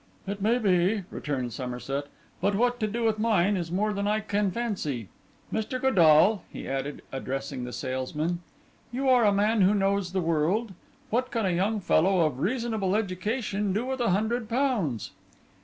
'It may be,' returned Somerset; 'but what to do with mine is more than I can fancy. Mr. Godall,' he added, addressing the salesman, 'you are a man who knows the world: what can a young fellow of reasonable education do with a hundred pounds?